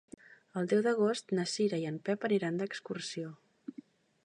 El deu d'agost na Cira i en Pep aniran d'excursió.